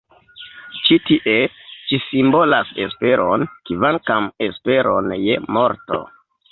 Ĉi tie ĝi simbolas esperon, kvankam esperon je morto.